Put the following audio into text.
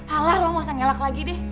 alah lo masa ngelak lagi deh